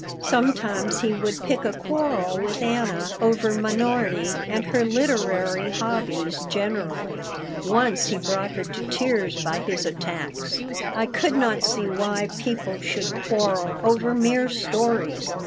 Sometimes he would pick a quarrel with Anna over Minority and her literary hobbies generally. Once he brought her to tears by his attacks. I could not see why people should quarrel over mere stories.